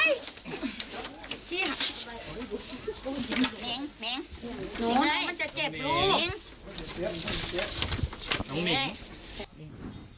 นี่ไงนี่แม่งมันจะเจ็บลูก